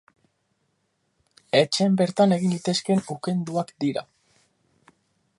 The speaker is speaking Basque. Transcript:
Etxen bertan egin litezkeen ukenduak dira.